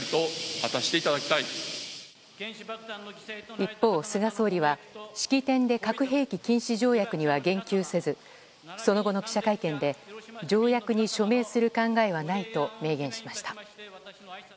一方、菅総理は式典で核兵器禁止条約には言及せずその後の記者会見で条約に署名する考えはないと明言しました。